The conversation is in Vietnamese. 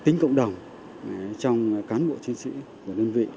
tính cộng đồng trong cán bộ chiến sĩ của đơn vị